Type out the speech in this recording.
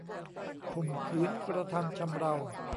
ข่มขืนกระทำชำเรา